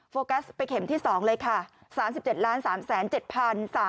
โฟกัสไปเข็มที่๒เลยค่ะ